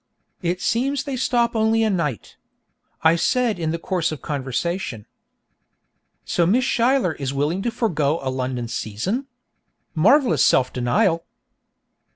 It seems they stop only a night. I said in the course of conversation: 'So Miss Schuyler is willing to forego a London season? Marvellous self denial!'